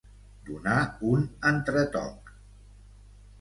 Donar un entretoc.